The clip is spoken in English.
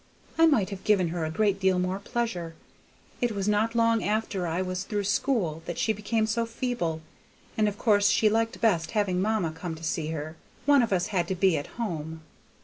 I might have given her a great deal more pleasure. It was not long after I was through school that she became so feeble, and of course she liked best having mamma come to see her; one of us had to be at home.